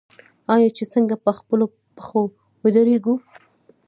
آیا چې څنګه په خپلو پښو ودریږو؟